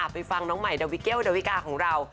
ไปฟังน้องใหม่ดาวิเกลดาวิกาของเรา